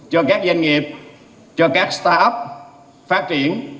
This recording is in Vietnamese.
cho các doanh nghiệp cho các start up phát triển